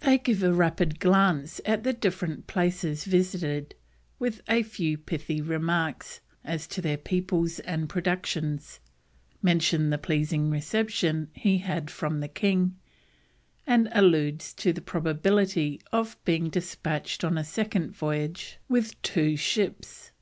They give a rapid glance at the different places visited, with a few pithy remarks as to their peoples and productions; mention the pleasing reception he had from the king, and he alludes to the probability of being despatched on a second voyage with two ships.